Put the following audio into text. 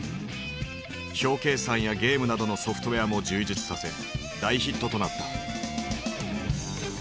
表計算やゲームなどのソフトウエアも充実させ大ヒットとなった。